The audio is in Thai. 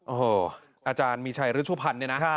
โอ้โหอาจารย์มีชัยฤชุพันธ์เนี่ยนะ